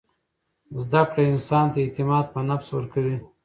زده کړه انسان ته اعتماد په نفس ورکوي.